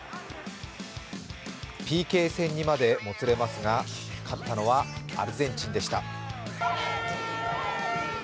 ＰＫ戦にまでもつれますが勝ったのはアルゼンチンでした。